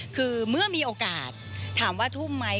คือเมื่อมีโอกาสถามว่าทุ่มไหม